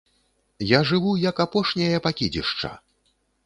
Я жыву як апошняе пакідзішча.